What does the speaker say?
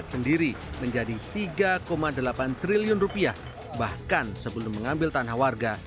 sendiri menjadi tiga delapan triliun rupiah bahkan sebelum mengambil tanah warga